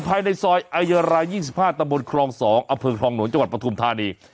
ภายในซอยไอเยอราย๒๕ตมครอง๒อเผลอคลองหนวนจังหวัดประธุมธานี